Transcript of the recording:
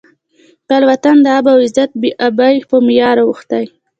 د خپل وطن د آب او عزت بې ابۍ په معیار اوښتی.